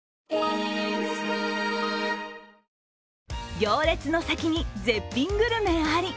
行列の先に絶品グルメあり。